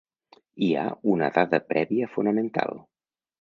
Hi ha una dada prèvia fonamental.